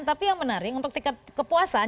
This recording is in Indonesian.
tapi yang menarik untuk tingkat kepuasan